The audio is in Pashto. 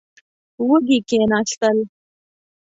وږي کېناستل.